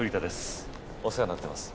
お世話になってます。